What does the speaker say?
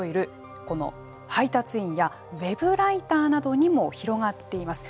この配達員やウェブライターなどにも広がっています。